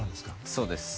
そうです。